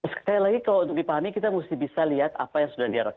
sekali lagi kalau untuk dipahami kita mesti bisa lihat apa yang sudah diharapkan